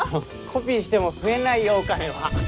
コピーしても増えないよお金は。